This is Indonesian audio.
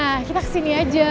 nah kita kesini aja